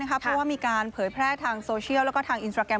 เพราะว่ามีการเผยแพร่ทางโซเชียลแล้วก็ทางอินสตราแกรม